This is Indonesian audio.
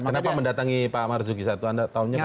kenapa mendatangi pak marzuki saat itu anda tahunya kenapa